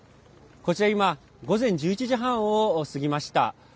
こちら今午前１１時半を過ぎました。